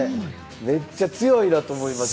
むっちゃ強いなと思いました。